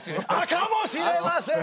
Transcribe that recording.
かもしれません」。